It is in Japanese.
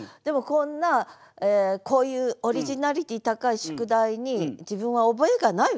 こんなこういうオリジナリティー高い宿題に自分は覚えがないわと。